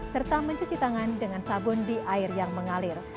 serta mencuci tangan dengan sabun di air yang mengalir